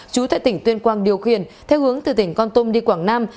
chú tại tỉnh tuyên quang điều khiển theo hướng từ tỉnh con tum đi quảng nam